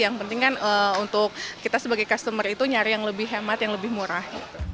yang penting kan untuk kita sebagai customer itu nyari yang lebih hemat yang lebih murah